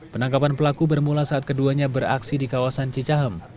penangkapan pelaku bermula saat keduanya beraksi di kawasan cicahem